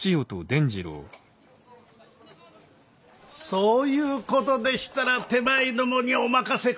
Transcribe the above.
そういう事でしたら手前どもにお任せ下さいませ。